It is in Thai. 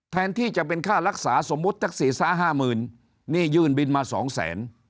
แทนที่จะเป็นค่ารักษาสมมุติตักศีรษะ๕๐๐๐๐นี่ยื่นบินมา๒๐๐๐๐๐